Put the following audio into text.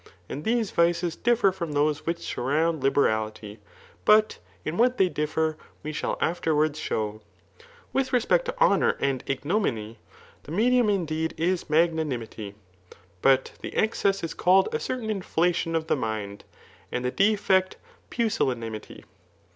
And these vices differ from those which surround liberality ; but in what they differ, we shall afterwards show. Wifh reject to honour and ignominy, the medium indeed is magiuu nimity, but the excess is called a certain inflation of the mind, aiid the defect pusillanimity.